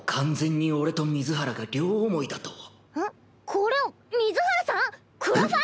これは水原さん？